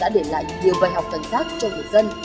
vụ án kết lại xong đã để lại nhiều bài học toàn giác cho người dân